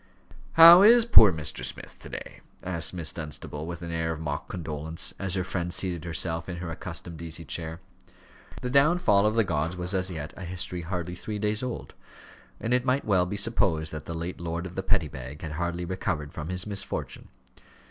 "How is poor Mr. Smith to day?" asked Miss Dunstable, with an air of mock condolence, as her friend seated herself in her accustomed easy chair. The downfall of the gods was as yet a history hardly three days old, and it might well be supposed that the late lord of the Petty Bag had hardly recovered from his misfortune.